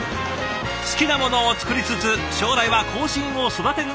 好きなものを作りつつ将来は後進を育てるのが目標！